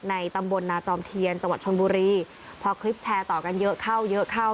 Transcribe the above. ตำบลนาจอมเทียนจังหวัดชนบุรีพอคลิปแชร์ต่อกันเยอะเข้าเยอะเข้า